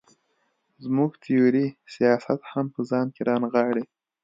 زموږ تیوري سیاست هم په ځان کې را نغاړي.